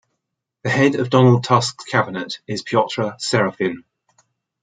The head of Donald Tusk's cabinet is Piotr Serafin.